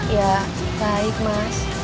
ya baik mas